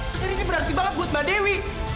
segar ini berarti banget buat mbak dewi